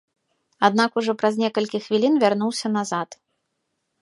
Аднак ужо праз некалькі хвілін вярнуўся назад.